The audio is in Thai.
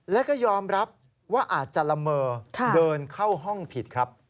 แล้วก็ยอมรับว่าอาจจะละเมอเดินเข้าห้องผิดครับ